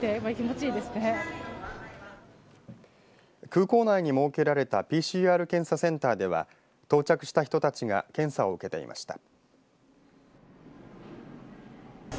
空港内に設けられたＰＣＲ検査センターでは到着した人たちが検査を受けていました。